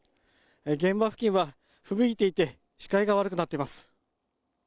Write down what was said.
現場付近はふぶいていて視界が悪くなっています